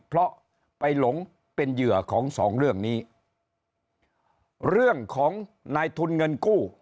เพราะไปหลงเป็นเหยื่อของสองเรื่องนี้เรื่องของนายทุนเงินกู้